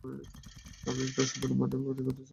আমি একটা অসাধারণ বার্থডে পার্টি করতে চাই, জাঁকজমকপূর্ণ।